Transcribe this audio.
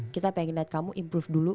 kita pengen lihat kamu improve dulu